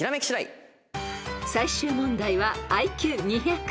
［最終問題はＩＱ２００］